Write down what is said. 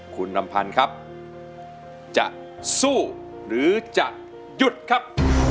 คุณลำพันธ์ครับจะสู้หรือจะหยุดครับ